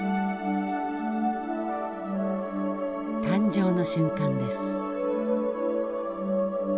誕生の瞬間です。